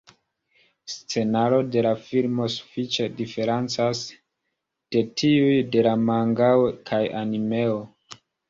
Scenaro de la filmo sufiĉe diferencas de tiuj de la mangao kaj animeo.